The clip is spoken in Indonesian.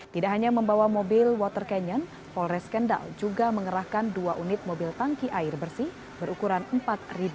tidak hanya membawa mobil water cannon polres kendal juga mengerahkan dua unit mobil tangki air bersih berukuran empat